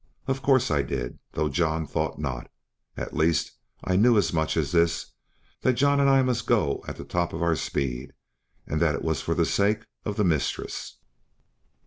Of course I did, though John thought not; at least I knew as much as this that John and I must go at the top of our speed, and that it was for the sake of the mistress.